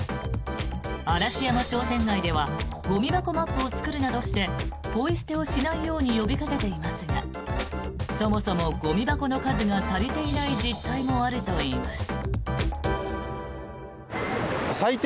嵐山商店街ではゴミ箱マップを作るなどしてポイ捨てをしないように呼びかけていますがそもそも、ゴミ箱の数が足りていない実態もあるといいます。